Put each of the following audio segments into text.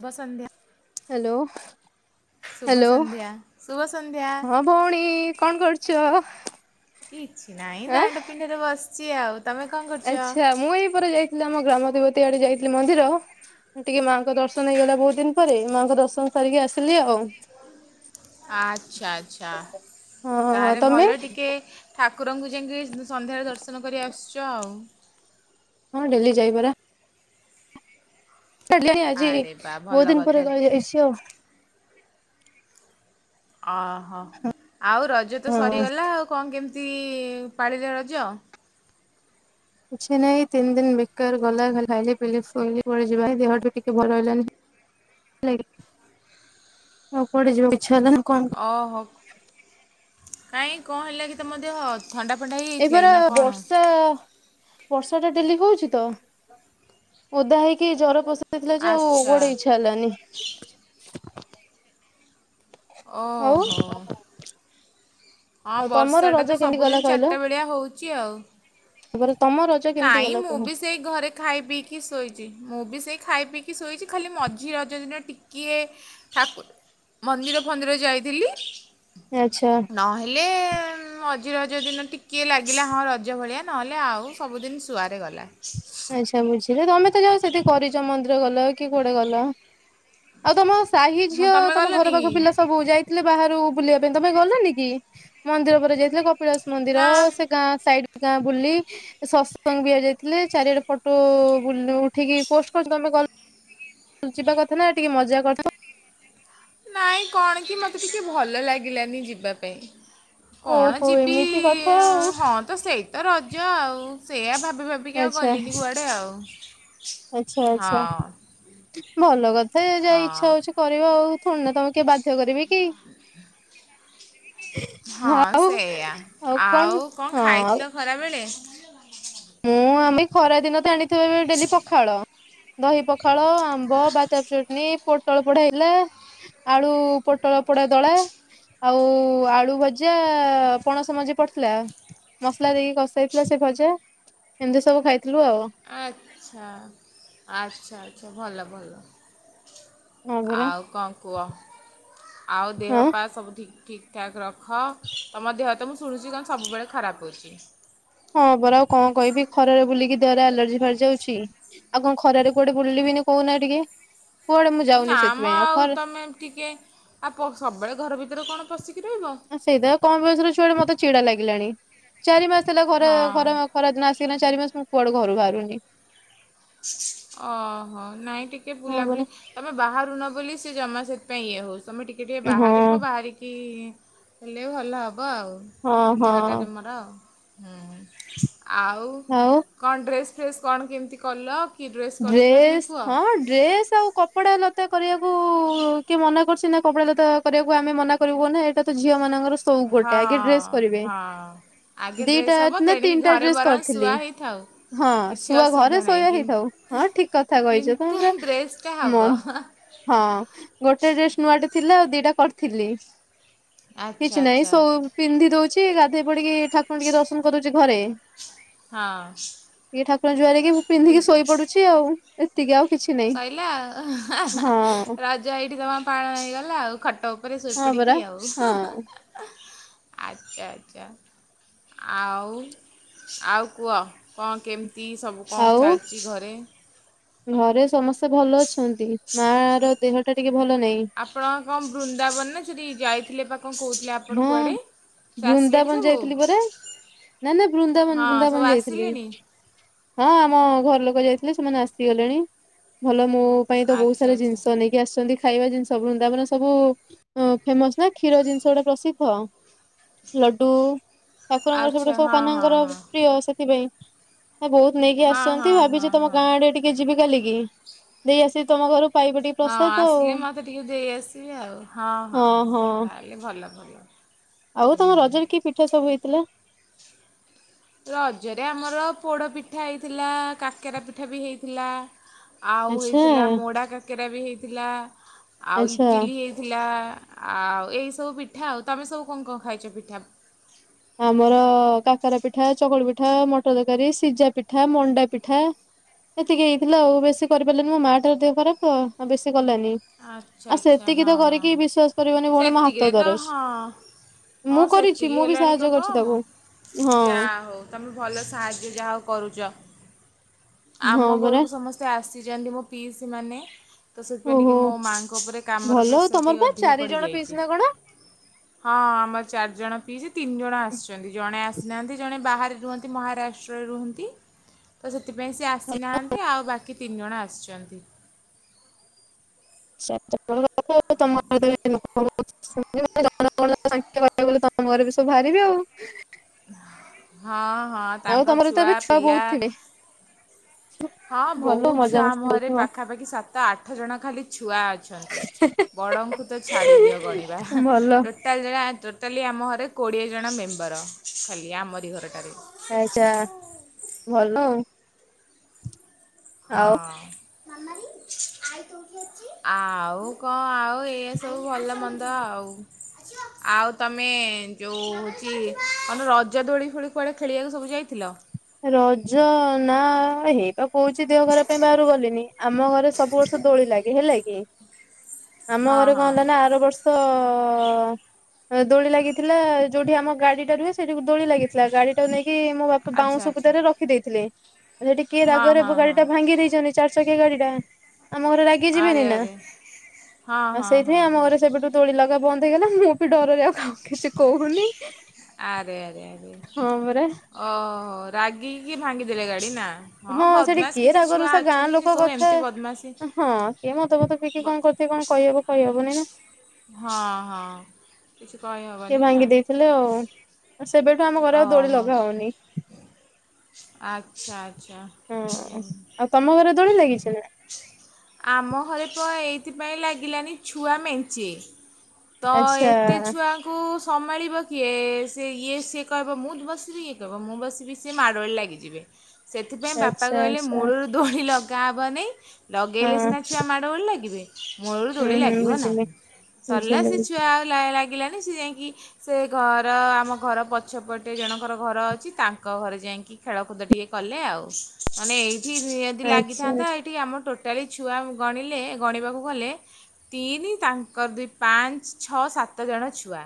ଶୁଭ ସନ୍ଧ୍ୟା ହ୍ୟାଲୋ ଶୁଭ ହ୍ୟାଲୋ ସନ୍ଧ୍ୟା ଶୁଭ ସନ୍ଧ୍ୟା। ହଁ ଭଉଣୀ କଣ କରୁଛ,? ଇଛି ନାଇଁ ତାଣ୍ଡପିଣ୍ଡାରେ ବସ ଚି ଆଉ। ତମେ କଣ କରୁଛ? ଆଚ୍ଛା ମୁଁ ଏଇପ ଯାଇଥିଲି ଆମ ଗ୍ରାମଦେବତୀ ଏଆଡେ ଯାଇଥିଲି ମନ୍ଦିର ଟିକେ ମାଙ୍କ ଦର୍ଶନ ହେଇଗଲା ବହୁତ ଦିନ ପରେ ମାଆଙ୍କ ଦର୍ଶନ ସାରିକି ଆସିଲି ଆଉ। ଆଚ୍ଛା ଆଚ୍ଛା ହଁ ତାହେଲେ ତମେ ଭଲ ଟିକେ ଠା କୁରଙ୍କୁ ଯାଇକି ସନ୍ଧ୍ୟାରେ ଦର୍ଶନ କରି ଆସୁଛ ଆଉ। ହଁ ଡେଲି ଯାଇ ପାରେ। ଡେଲି ଆଜି ଆରେ ବା ବହୁତ ଭଲ ଦିନ ପରେ କଥା କହି ଯାଇଛି ଆଉ। ଅ ହଁ ଆଉ ରଜ ତ ହଁ ସରିଗଲା ଆଉ କଣ କେମିତି ଇ ଇ ପାଳିରେ ରଜ? କିଛି ନାଇଁ ତିନି ଦିନ ବେକାର ଗଲା ଖାଇ ପୁଲି ପଯିବା ଦେହୁ ଟିକେ ଭଲ ହେଲାନି ଆଉ ଯିବ କେ ଛୁଆଦ ନା କଣ। [inaudible] କାଇଁ କଣ ହେଲା କି ତମ ଦେହ? ଥଣ୍ଡା ଫଣ୍ଡା ହେଇଯାଇଥିଲା କି ଏପାର ନା କଣ? ବର୍ଷା ବର୍ଷା ଟା ଡେଲି ହଉଛି ତ ଓଦା ହେଇକି ଜର ପ ସି ଯାଇଥିଲା ଯେ ଆଚ୍ଛା ଗୋଡେ ଇଚ୍ଛା ହେଲାନି। ଆଉ ଓହୋ। ହଁ ଆଉ ତମର ବର୍ଷାଟା ତ ରଜ କେମିତି ଗଲା ସବୁଦିନ କହିଲ ଚାରିଟା ବେଳିଆ ହଉଛି ଆଉ। ତାପରେ ତମ ରଜ କେମିତି ନାଇଁ ଗଲା ମୁଁ କୁହ? ବି ସେଇ ଘରେ ଖାଇ ପିଇକି ଶୋଇଛି ମୁଁ ବି ସେଇ ଖାଇ ପିଇକି ଶୋଇଛି ଖାଲି ମଝି ରଜ ଦିନ ଟିକିଏ ଠାକୁ ମନ୍ଦିର ଫନ୍ଦିର ଯାଇଥିଲି। ଆଚ୍ଛା କହିଲେ ଅଜିର ହଜ ଦିନ ଟି କିଏ ଲାଗିଲା ହଁ ର ନିଜ ଭଳିଆ ନହେଲେ ଆଉ ସବୁଦିନ ଶୁଆରେ ଗଲା। ଆଚ୍ଛା ବୁଝି ତମେ ତ ଯାଉ ସେଠି କରି ଚ ମନ୍ଦିର ଗଲ କି କୁଆଡେ ଗଲ ଆଉ ତମ ସେ ସାହି ହଁ ଝିଅ ତମେ ତମ ଘର ଗଲନି ପାଖ ପିଲା କି? ସବୁ ଯାଇଥିଲେ ବାହାରୁ ବୁଲିବା ପାଇଁ ତମେ ଗଲାନି କି ମନ୍ଦିର ପରେ ଯାଇଥିଲେ କ ପିଳାସ ମନ୍ଦିର ନା ସେ ଗାଁ ସାଇ ଗାଁ ବୁଲି ସସଙ୍ଗ ବିଆ ଯାଇଥିଲେ। ଚାରିଆଡେ ଫଟୋ ବୁଲ୍ ଉଠିକି ପୋଷ୍ଟ କରୁଛନ୍ତି। ତମେ ଯିବା କଥା ନା ଟିକେ ମଜା କଥା। ନାଇଁ କଣ କି ମତେ ଟିକେ ଭଲ ଲାଗିଲାନି ଯିବା ପାଇଁ। କଣ ଓହୋ ଯିବି ଏମିତି କଥା ଆଉ ହଁ ତ ସେଇ ତ ରଜ ଆଉ ସେଇଆ ଭାବ ଆଚ୍ଛା ଆଚ୍ଛା ଆଚ୍ଛା ହଁ ଭଲ କଥା ଯା ହଁ ଇଚ୍ଛା ହଉଛି କରିବା ଆଉ। ଶୁଣୁ ନା ତମେ କିଏ ବାଧ୍ୟ କରିବି। [inaudible] ହଁ ଆଉ ସେୟା ଆଉ କଣ ଖାଇଥିଲ ଖରାବେଳେ। ମୁଁ ଆମେ ଖରା ଦିନ ତ ଆଣି ଥିବାବେଳେ ଡେଲି ପଖାଳ। ଦହି ପଖାଳ ଆମ୍ବ ବାଜାବ୍ ଚଟନି ପୋଟଳ ପୋଡା ହେଇଥିଲା। ଆଳୁ ପୋଟଳ ପୋଡା ଦଳା ଆଉ ଆଳୁ ଭଜା ପଣସ ମଞ୍ଜି ପଡିଥିଲା। ମସଲା ଦେଇକି କଷାଇଥିଲା ସେ ଭଜା। ଏମତି ସବୁ ଖାଇ ଆଚ୍ଛା ଆଚ୍ଛା। ଛ ଭଲ ଭଲ। ହଁ ପରା ଆଉ କଣ କୁହ ଆଉ ଦେହ ହଁ ପା ସବୁ ଠିକ୍ ଠିକ୍ ଠାକ୍ ରଖ। ତମ ଦେହ ତ ମୁଁ ଶୁଣୁଛି କଣ ସବୁବେଳେ ଖରାପ ହେଉଛି। ହଁ ପରା ଆଉ କଣ କହିବି ଖରାରେ ବୁଲିକି ଦେରେ ଆଲର୍ଜି ବାହାରି ଯାଉଛି। ଆଉ କଣ ଖରାରେ କୋଆଡେ ବୁଲିବିିନି କହୁନା ଟିକେ। କୁଆଡେ ମୁଁ ନା ଯାଉନି ମ ସେଥିପାଇଁ ଆଉ ଖରା ତମେ ଟିକେ ଆଉ ପ ସବୁବେଳେ ଘର ଭିତରେ କଣ ପଶିକି ରହିବ ଆ ସେଇଟା କମ୍ ବୟସର ଛୁଆଟା ମତେ ଚିଡା ଲାଗେ। ଲାଣି ଚାରି ମାସ ଥିଲା ଘରେ ହଁ ଖରା ଖରାଦିନ ଆସି ଗଲାଣି ଚାରି ମାସ କୁଆଡୁ ଘରୁ ବାହାରୁନି। ଓହୋ ନାଇଁ ଟିକେ ହଁ ବୁଲାବୁଲି ପରା। ତମେ ବାହାରୁନ ବୋଲି ସିଏ ଜମା ସେଥିପାଇଁ ଇଏ ହଉଛି। ତମେ ଟିକେ ଟିକେ ହଁ ବାହାରିବ। ବାହାରିକି ହେଲେ ଭଲ ହ ହବ ଆଉ ହଁ ଦେହଟା ହଁ ତମର ଆଉ। ହୁଁ। ଆଉ ଆଉ କଣ ଡ୍ରେସ୍ ଫ୍ରେସ୍ କଣ କେମିତି କଲକ୍ ଡ୍ରେସ୍ ହଁ ଡ୍ରେସ୍ ଆଉ କପଡା ନ କରିବାକୁ କିଏ ମନା କରୁସି ନା କପଡା ଦାତା କରିବାକୁ ଆମେ ମନା କରିବୁ କହନି। ଏଇଟା ତ ଝିଅ ମାନଙ୍କର। ସଉକ ଗୋଟେ ହଁ ଆଗେ ଡ୍ରେସ କରିବେ। ହଁ ଆଗେ ଦିଟା ଡ୍ରେସ୍ ହବ। ନା ତେଣିକି ତିନିଟା ଘରେ ଡ୍ରେସ ବରଂ କରିଥିଲି। ଶୁଆ ହେଇଥାଉ ହଁ କିଛି ଶୁଆ ଘରେ ଅସୁବିଧା ଶୋଇବା ନାହିଁ। ହେଇଥାଉ କି ହଁ ଠିକ କଥା କହିଛ। ତମେ କିନ୍ତୁ ପୁରା ଡ୍ରେସ୍ଟା ହେବ ମନ୍ ହଁ ଗୋଟେ ଡ୍ରେସ ନୂଆ ଥିଲା ଆଉ ଦିଟା କରିଥିଲି ଆଚ୍ଛା କିଛି ନାଇଁ ଆଚ୍ଛା ସବୁ ପିନ୍ଧି ଦଉଛି ଗା। [unintelligible] ଠାକୁର ଟିକେ ଦର୍ଶନ କରୁଛି ଘରେ ହଁ ଇଏ ଠାକୁର ଜୁହାର କି ମୁଁ ପିନ୍ଧିକି ଶୋଇ ପଡୁ ଏତିକି ଆଉ କିଛି ନାହିଁ ସଇଲା ହା ହା ହଁ। ରଜ ଏଇଠି ତମର ପାଳନ ହେଇଗଲା ଆଉ ଖଟ ଉପରେ ଶୋଇ ହଁ ପଡ଼ିକି ପରା ଆଉ ହଁ ଆଚ୍ଛା ଆଚ୍ଛା ଆଉ ଆଉ କୁହ କଣ କେମ ତି ସବୁ କଣ ଆଉ ଚାଲିଛି ଘରେ ଘରେ ସମସ୍ ଭଲ ଅଛନ୍ତି ମା ର ଦେହ ଟା ଟିକେ ଭଲ ନାହିଁ। ଆପଣଙ୍କ କଣ ବୃନ୍ଦାବନ ଥିରି ଯାଇଥିଲେ ପା ହଁ ଆସିଲେଣି ବୃନ୍ଦାବନ ସବୁ ଯାଇଥିଲି ପରା। ନା ନା ବୃନ୍ଦାବନ ହଁ ସବୁ ବୃନ୍ଦାବନ ଯାଇଥିଲି ଆସିଲେଣି ହଁ ଆମ ଘର ଲୋକ ଲୋକ ଯାଇଥିଲେ ସେମାନେ ଆସିଗଲେଣି ଭଲ ମୋ ପାଇଁ ତ ବହୁତ ଆଚ୍ଛା ସାରା ଆଚ୍ଛା। ଜିନିଷ ନେଇକି ଆସିଛନ୍ତି। ଖାଇବା ଜିନିଷ ସବୁ ବୃନ୍ଦାବନ ସବୁ ଫେମସ୍ ନା କ୍ଷୀର ଜିନିଷ ଗୁଡା ପ୍ରସିଦ୍ଧ ଲଡୁ ଠାକୁରଙ୍କର ଆଚ୍ଛା ସେପଟେ ସବୁ ହଁ ହଁ କାହ୍ନାଙ୍କର ପ୍ରିୟ ସେଥିପାଇଁ। ବହୁତ ନେଇକି ହଁ ହଁ ଆସିଛନ୍ତି ହଁ ହଁ ଭାବିଛି ତମ ହଁ। ଗାଁ ଆଡେ ଟିକେ ଯି ଯିବି କାଲି କିି ଦେଇ ଆସି ତମ ଘରୁ ପାଇବ ଟିକେ ହଁ ପ୍ରସାଦ ଆସିଲେ ମତେ ଟିକେ ଦେଇ ଆସିବେ ଆଉ, ହଁ ହଁ ଆଉ ହଁ ତାହେଲେ ଭଲ କଲ। ଆଉ ତମ ରଜରେ କି ପିଠା ସବୁ ହେଇ ଥିଲା ରଜରେ ଆମର ପୋଡ଼ ପିଠା ହେଇଥିଲା। କାକେରା ପିଠା ବି ହେଇଥିଲା। ଆଉ ଆଚ୍ଛା ହେଇଥିଲା ମୋଡା କାକେ ରା ବି ହେଇଥିଲା। ଆଉ ଆଚ୍ଛା ଇଟିଲି ହେଇଥିଲା। ଆଉ ଏଇ ସବୁ ପିଠା ଆଉ ତମେ ସବୁ କଣ କଣ ଖାଇଛ ପିଠା ଆମର କାକରା ପିଠା ଚକୁଳି ପିଠା ମଟର ତରକାରୀ ସିଝା ପିଠା ମଣ୍ଡା ପିଠା ଏତିକି ହେଇଥିଲା ଆଉ ବେଶୀ କରିପାରିଲନି ମୋ ମା ଟାର ଦେହ ଖରାପ ତ ଆଉ ବେଶୀ କଲାନି ଆଚ୍ଛା ଆ ଆଚ୍ଛା ସେତିକି ହଁ ତ ହଁ। କରିକି ବିଶ୍ଵାସ କରିବନି ଭଉଣ ମୋ ହାତ ସେତିକିରେ ତ ଦରଜ ହଁ ମୁଁ କରିଛି ମୁଁ ବି ସେ ଣିକ କମ ଯାହା ହଉ ତମେ ଭଲ ସାହାଯ୍ୟ ଯାହା ହଉ କରୁଛ। ହଁ ଆମ ପରା ଘରକୁ ସମସ୍ତେ ଆସିଛନ୍ତି ମୋ ପିଇସି ମାନେ ତ ସେଥିପାଇଁ ଟିକେ କି ଓହୋ ମୋ ମାଆଙ୍କ ଉପରେ କାମର ଭଲ ଆଉ ପ୍ରେସର ତମର ଟିକେ ବା ଅଧିକ ଚାରି ଜଣ ପଡ଼ିଯାଇଛି ପିଇସି ନା କଣ? ହଁ ଆମର ଚାରିଜଣ ପିଇସି ତିନି ଜଣ ଆସିଛନ୍ତି ଜଣେ ଆସ ନାହାନ୍ତି ଜଣେ ବାହାରେ ରୁହନ୍ତି ମହାରାଷ୍ଟ୍ରରେ ରୁହନ୍ତି ତ ସେ ସେଥିପାଇଁ ସେ ଆସିନାହାନ୍ତି ଆଉ ବାକି ତିନି ଜଣ ଆସିଛନ୍ତି। [unintelligible] ଲେ ତମ ଘରେ ବି ସବୁ ବାହାରିବେ ଆଉ। ହଁ। ହଁ ଆଉ ତାଙ୍କ ତମର ତ ଛୁଆ ଏବେ ପିଲା ବହୁତ ଥିବେ ହଁ ଭଲ ବହୁତ ଛୁଆ ମଜାମସ୍ତି ମହଁରେ କରୁଥିବ। ପାଖାପାଖି ସାତ ଆଠ ଜଣ ଖାଲି ଛୁଆ ଅଛନ୍ତି ବଡ଼ଙ୍କୁ ତ ଛାଡ଼ିଦିଅ ଗଣିବା ଭଲ ଟୋଟାଲ ଜଣ ଖାଲି ଆମ ଘରେ କୋଡ଼ିଏ ଜଣ ମେମ୍ବର ଖାଲି ଆମରି ଘରଟାରେ ଆଚ୍ଛା ଭଲ ଅଉ। ହଁ। ଆଉ କଣ ଆଉ ଏ ସବୁ ଭଲ ମନ୍ଦ ଆଉ ଆଉ ତମେ ଯୋଉ ହଉଛି ତରେ ରଜ ଦୋଳି ଫୋଳି କୁଆଡେ ଖେଳିବାକୁ ସବୁ ଯାଇଥିଲ। ରଜ ନା ହେଇ ତ କହୁଛି ଦେହ ଘର ପାଇଁ ବାହହାରାରୁ ଗଲିଣିି ଆମ ଘରେ ସବୁ ବର୍ଷ ଦୋଳି ଲାଗେ ହେଲା କି ଆମ ହଁ ଘରେ କଣ ହଁ ହେଲା ନା ଆର ବର୍ଷ ଓ ଦୋଳି ଲାଗିଥିଲା ଯୋଉଠି ଆମ ଗାଡିଟା ରୁହେ ସେଠି ଦୋଳି ଲାଗିଥିଲା ଗାଡି ଟା ନେଇକି କି ମୋ ବାପା ଆଚ୍ଛା ବାଉଁଶ ଆଚ୍ଛା ସୁବୁତାରେ ରଖିଦେଇଥିଲେ ଆ ଟିକିଏ ହଁ ରାଗରେ ହଁ ଗାଡି ହଁ ଟା ଭାଙ୍ଗି ଦେଇଛନ୍ତି ଚ କେ ଗାଡ଼ିଟା ଆମ ଘରେ ରାଗି ଯିବେନି ଆରେ ନା ଆରେ ହଁ ଆଉ ହଁ ସେଇଥିପାଇଁ ହଁ ଆମ ହଁ ଘରେ ସେବେଠୁ ତୋଳି ଲଗା ବନ୍ଦ ହେଇଗଲା ମୁଁ ବି ଡରରେ ଆଉ କିଛି କହୁନି ଆରେ ଆରେ ଆରେ ହଁ ପରା ଓ ରାଗ କିି ଭାଙ୍ଗିଦେଲେ ଗାଡି ନା। ହଁ ସେଠି ବଦମାସ କିଏ କିଛି ଛୁଆ ରାଗରୁଷା ଗାଁ ଅଛନ୍ତି ସେ ଲୋକ ସବୁ କଥା ଏମିତି ବଦମାସି ହଁ କିଏ ମଦ ଫଦ ପିକି ବ କଣ କରିଥିବ କଣ କହିହବ କହିହବନି ନା ହଁ ହଁ କିଛି କିଏ କହିହେବନି ନା ଭାଙ୍ଗି ଦେଇଥିଲେ ଆଉ। ଆଉ ସେବେଠୁ ଆମ ଘରେ ଆଉ ଦୋଳି ଓହୋ ଲଗା ହଉନି। ଆଚ୍ଛା ହଁ ଆଉ ତମ ଘରେ ଦୋଳି ଲାଗିଛି ନା ଆମ ଘରେ ତ ଏଇ ଏଥିପାଇଁ ଲାଗିଲାନି ଛୁଆ ମେଞ୍ଚେ ତ ଆଚ୍ଛା ଏତେ ଛୁଆଙ୍କୁ ସମାଳିବ କିଏ ସେ ଇଏ ସେ କହିବ ମୁଁ ବସିବି ଇଏ କହିବ ମୁଁ ବସିବି ସେ ମାଡଗୋଳ ଲାଗିଯିବେ। ସେଥିପାଇଁ ବାପା ଆଚ୍ଛା କହିଲେ ଆଚ୍ଛା। ମୂଳରୁ ଦୋଳି ଲଗ୍- [unintelligible] ହଁ ଲଗେଇଲେ ସିନା ଛୁଆ ମାଡ଼ ଗୋଳ ଲାଗିବେ। ମୂଳରୁ ହୁଁ ଦୋଳି ହୁଁ ଲାଗିବ ବୁଝିଲି ନାହିଁ, ସରିଲା ବୁଝିଲି ସେ ବୁଝିଲି ଛୁଆ ଆଉ ଲାଗିଲାନି। ସେ ଯାଇକି ସେ ଘର ଆମ ଘର ପ ପଛପଟେ ଜଣଙ୍କର ଘର ଅଛି ତାଙ୍କ ଘରେ ଯାଇକି ଖେଳକୁଦ ଟିକେ କଲେ ଆଉ, ମାନେ ଏଇ ଠି ଯଦି ଆଚ୍ଛା ଲାଗିଥାନ୍ତା ଆଚ୍ଛା ଏଇଠି ଆମ ଟୋଟାଲି ଛୁଆ ଗଣିଲେ ଗଣିବାକୁ ଗଲେ ତିନି ତାଙ୍କର ଦୁଇ ପାଞ୍ଚ ଛଅ ସାତ ଜଣ ଛୁଆ।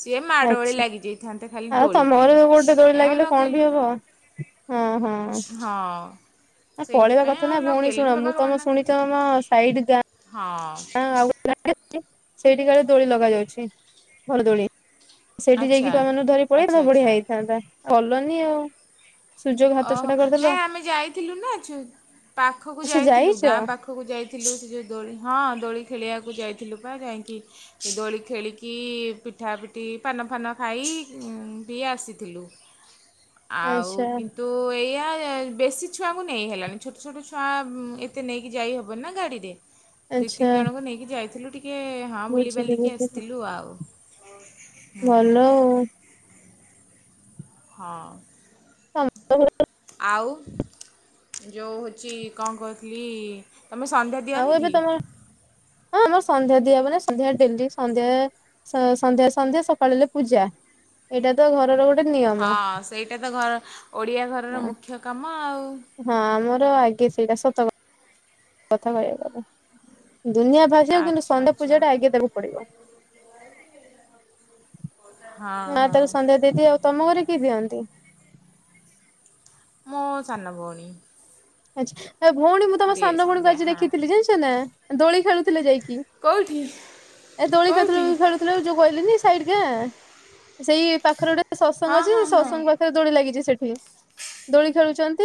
ସିଏ ମାଡ଼ଗୋଳି ଆଚ୍ଛା। ଲାଗି ଯାଇଥାନ୍ତେ। ଆଉ ତମ ଘରେ ବି ଗୋଟେ ଦୋଳି ଲାଗିଲେ କଣ ବି ହବ ଆଉ ହଁ ହଁ। ହଁ। [inaudible] ପଳେଇବା ସେଇଥିପାଇଁ କଥା ନା ଆଉ ଭଉଣୀ ଲଗେଇଲୁନି ଶୁଣ ମୁଁ ବାବା ତମେ ମନା ଶୁଣିଛ କଲେ ତମ ସାଇଡ୍ ହଁ ଗାଁଁଆ [inaudible] ସେଇଠି କାଳେ ଦୋଳି ଲଗା ଯାଉଛି ଭଲ ଦୋଳି। ସେଇଠି ଯାଇକି ଆଚ୍ଛା ଛୁଆମାନଙ୍କୁ ଧରି ଆଚ୍ଛା ପଳେଇଥାନ୍ତ ବଢିଆ ଆଚ୍ଛା ହେଇଥାନ୍ତା। ଗଲନି ଆଉ ସୁଯୋଗ ହାତଛଡ଼ା କରିଦେଲ। [unintelligible] ଅଛୁ ପାଖକୁ ଆଚ୍ଛା ଯାଇଥିଲୁ ଯାଇଛ ଗାଁ ପାଖକୁ ଯାଇଥିଲୁ ସେ ଯୋଉ ଦୋଳି ହଁ ଦୋଳି ଖେଳିବାକୁ। [inaudible] ଯାଇଥିଲୁ ପା, ଯାଇକି ଦୋଳି ଖେଳିକି ପିଠାପିଠି ପାନଫାନ ଖାଇ ବି ଆସିଥିଲୁ। ଆଉ ଆଚ୍ଛା କିନ୍ତୁଉଉ ଏଇଆ [inaudible] ବେଶୀ ଛୁଆଙ୍କୁ ନେଇ ହେଲାନି ଛୋଟ ଛୋଟ ଛୁଆ ଏତେ ନେଇକି ଯାଇହବନି ନା ଗାଡ଼ିରେ। ଦି ଆଚ୍ଛା ତିନି ଜଣଙ୍କୁ ନେଇକି ଯାଇଥିଲୁ ଟିକ୍ ଟିକଏ ହଁ ବୁଝିଲି ବୁଲିବାଲିକି ବୁଝିଲି ଆସିଥିଲୁ ଆଉ ହୁଁ ଭଲ ଆଉ। ହଁ। [inaudible] ଆଉ ଯୋଉ ହଉଛି କଣ କହୁଥିଲି ତମେ ସନ୍ଧ୍ୟା ଆଉ ଦିଅନି ଏବେ କି? ତମର ହଁ ଆମର ସନ୍ଧ୍ୟା ଦିଆହେବ ନା, ସନ୍ଧ୍ୟା ଡେଲି ସନ୍ଧ୍ୟା ସନ୍ଧ୍ୟା ସନ୍ଧ୍ୟା ସକାଳ ହେଲେ ପୂଜା, ଏଇଟା ତ ଘରର ଗୋଟେ ହଁ ନିୟମ। ସେଇଟା ତ ଘର ଓଡ଼ିଆ ଘରର ହଁ ମୁଖ୍ୟ କାମ ଆଉ। ଆମର ଆଗେ ସେଇଟା ସତ କଥା କହିହେଲାନି। ଦୁନିଆ ଭାସିଯାଉ କିନ୍ତୁ ଆଚ୍ଛା ସନଡେ ଆଚ୍ଛା ପୂଜା ଟା ଆଗେ ଦେବାକୁ ପଡିବ। ହଁ ମା ହଁ ତାକୁ ସନ୍ଧ୍ୟା ଦେଇଦି ଆଉ ତମ ଘରେ କିଏ ଦିଅନ୍ତି। ମୋ ସାନ ଭଉଣୀ। ଆଚ୍ଛା। ଭଉଣୀ ମୁଁ ତମ ଦିଏ ସାନ ଭଣଙ୍କୁ ସନ୍ଧ୍ୟା ଆଜି ହଁ ଦେଖିଥିଲି ଜାଣିଛ ନା। ଦୋଳି ଖେଳୁଥିଲେ ଯାଇକି। କେଉଁଠି ଏ ଦୋଳି କେଉଁଠି କ୍ଷେତ୍ରରେ ଖେଳୁଥିଲେ ଯୋଉ କହିଲିନି ସେଇ ପାଖରେ ଗୋଟେ ସେ ଶତ୍ସଙ୍ଗ ହଁ ଅଛି ସେ ହଁ ହଁ ଶତ୍ସଙ୍ଗ ପାଖରେ ଦୋଳି ଲାଗିଛି ସେଠି ଦୋଳି ଖେଳୁଛନ୍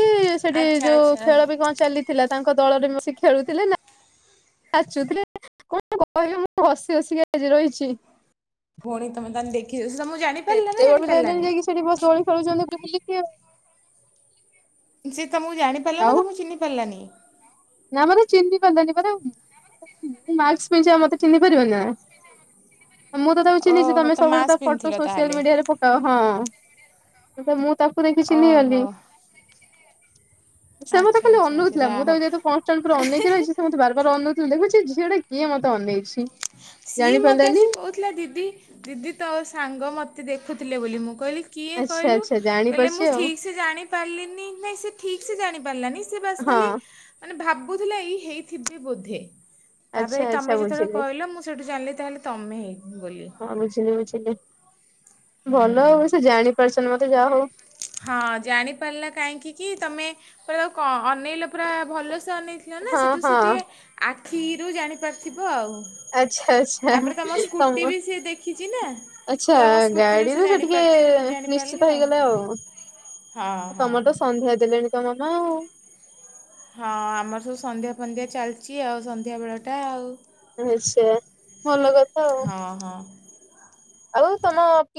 ସେଠି ଆଚ୍ଛା ଯୋଉ ଆଚ୍ଛା ଖେଳ ବି କଣ ଚାଲିଥିଲା ତାଙ୍କ ଦଳରେ ବସି ଖେଳୁଥିଲେ ନାଚୁଥିଲେ କଣ କହିବ ମୁଁ ହସି ହସିି ଆଜି ରହିଛି। ଭଉଣୀ ତମେ ତାହେଲେ ଦେଖି ହ ଏତେ ବେଳୁ ଯାଇଲେଣି ଯାଇକି ସେଠି ଦୋଳି ପଳୋଉଛନ୍ତି ବୁଲିକି ଆଉ। ସେ ତମକୁ ଜାଣି ପାରିଲା ନା ତମକୁ ଚିହ୍ନି ପାରିଲାନି। ନା ମତେ ଚିହ୍ନି ପାରିଲାନି ପରା ନାଇଟସ୍ ପିନ୍ଧିଚି ମତେ ଚିହ୍ନି ପାରିବନି ନା। ମୁଁ ତ ତାକୁ ଚିହ୍ନିଛି ଓହୋ ତମେ ସବୁବେଳେ ମାସ୍କ ତା ଫଟୋ ପିନ୍ଧିଥିଲ ସୋସିଆଲ ତାହେଲେ ମିଡିଆରେ ପକାଅ ହଁ। ତ ମୁଁ ତାକୁ ଦେଖି ଚିହ୍ନି ଗଲି। ଓହୋ ସେ ମତେ ଆଚ୍ଛା ଖାଲି ଆଚ୍ଛା ଆଚ୍ଛା ଅନଉଥିଲା ଯାହା ମୁଁ ତ ଯେହେତୁ ହଉ କରେ ଅନେଇକି ରହିଛି। ସେ ମତେ ବାର ବାର ଅନ ଦେଖୁଛି ଝିଅଟା କିଏ ମତେ ଅନେଇଛି। ସିଏ ମତେ ଜାଣିପାରିଲାନି ଆସି କହୁଥିଲା ଦିଦି ଦିଦି ତୋ ସାଙ୍ଗ ମତେ ଦେଖୁଥିଲେ ବୋଲି ମୁଁ କହିଲି କିଏ ଆଚ୍ଛା କହିଲୁ ଆଚ୍ଛା କହିଲେ ଜାଣିପାରୁଛି ମୁଁ ଆଉ ଠିକ୍ ସେ ଜାଣି ପାରିଲିନି ନାଇଁ ସେ ଠିକ୍ ଜାଣି ପାରିଲାନି ସେ ବାସ୍ ହଁ। ଖାଲି ମାନେ ଭାବ ବୁଥିଲା ଏଇ ହେଇଥିବେ ବୋଧେ। ତାପରେ ଆଚ୍ଛା ତମେ ଆଚ୍ଛା ଯେତେବେଳେ ବୁଝିଲି କହିଲ ମୁଁ ସେଇଠୁ ଜାଣିଲି ତାହେଲେ ତମେ ହେଇ ବୋଲି। ହଁ ବୁଝିଲି ବୁଝିଲି ଭଲ ସେ ଜାଣିପାରୁଛନ୍ତି ମତେ। ତ ଯା ହୋଉ। ହଁ ଜାଣିପାରିଲା କାହିଁକି କି ତମେ ପୁରା ଅନେଇଲ ପୁରା ଭଲସେ। ଅନେଇଥିଲ ନା ହଁ ସେଠୁ ସେ ହଁ ଠିଏ ଆ କ୍ଷୀରୁ ଜାଣିପାରିଥିବ ଆଉ। ଆଚ୍ଛା ଆଚ୍ଛା ତାପରେ ସ୍କୁଟି ତମ ବି ସିଏ ଦେଖିଛି ନା। ଆଚ୍ଛା ତ ତମ ସ୍କୁଟିରୁ ଗାଡିରୁ ସେ ଟିକେ ଜାଣିପାରିଥିବେ ନିଶ୍ଚିତ ଜାଣିପାରିଲା ହେଇଗଲେ ଆଉ। ହଁ ହଁ। ତମ ତ ସନ୍ଧ୍ୟା ଦେଲେଣି। ମାମା ଆ ହଁ ଆମର ସବୁ ସନ୍ଧ୍ୟା ଫନ୍ଧ୍ୟା ଚାଲିଛି ଆଉ ସନ୍ଧ୍ୟାବେଳଟା ଆଉ। ଆଚ୍ଛା ଭଲ କଥା ଆଉ। ହଁ ହଁ। ଆଉ ତମ କି